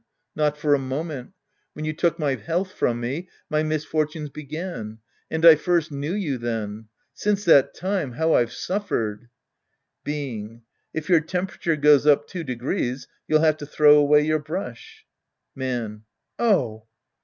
Not for a moment. When you took my health from me, my misfortunes began. And I first knew you then. Since that time, how I've suffered 1 Being. If your temperature goes up two degrees, you'll have to throw away your brush. Man. Oh